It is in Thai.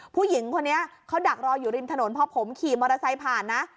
ผู้หญิงคนนี้เขาดักรออยู่ริมถนนพอผมขี่มอเตอร์ไซค์ผ่านนะ